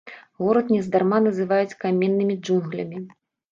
Горад нездарма называюць каменнымі джунглямі.